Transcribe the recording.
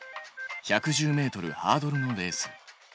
１１０ｍハードルのレース。